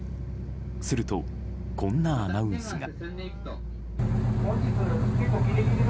すると、こんなアナウンスが。